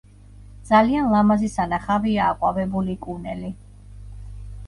ძალიან ლამაზი სანახავია აყვავებული კუნელი.